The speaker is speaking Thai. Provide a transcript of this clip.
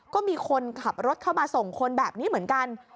ก็มีคนขับรถเข้ามาส่งคนแบบนี้เหมือนกัน